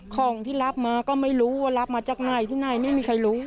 ของที่รับมาก็ไม่รู้ว่ารับมาจากไหนที่ไหนไม่มีใครรู้